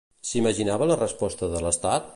S'imaginava la resposta de l'estat?